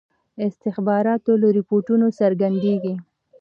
استخباراتو له رپوټونو څرګندیږي.